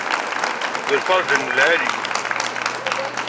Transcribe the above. D lferja n lεali.